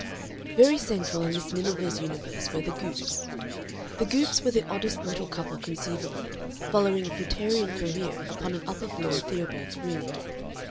Very central in Miss Miniver's universe were the Goopes. The Goopes were the oddest little couple conceivable, following a fruitarian career upon an upper floor in Theobald's Road.